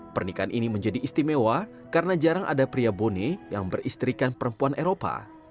pernikahan ini menjadi istimewa karena jarang ada pria bone yang beristrikan perempuan eropa